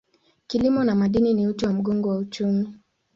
Kilimo na madini ni uti wa mgongo wa uchumi.